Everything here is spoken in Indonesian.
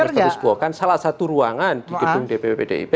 untuk menstatuskuakan salah satu ruangan di gedung dpp dip